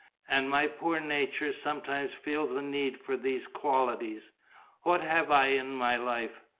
And my poor nature sometimes feels a need for these qualities. What have I in my life?